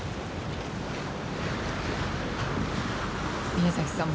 宮崎さん